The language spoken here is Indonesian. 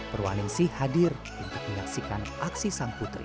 perwanin sih hadir untuk menyaksikan aksi sang putri